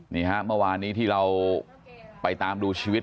นี่ฮะเมื่อวานนี้ที่เราไปตามดูชีวิต